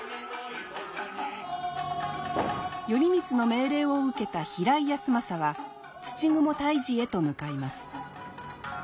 頼光の命令を受けた平井保昌は土蜘退治へと向かいます。